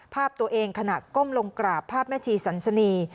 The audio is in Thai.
ภาพตัวเองขณะก้มลงกราบภาพแม่ชีสันสนี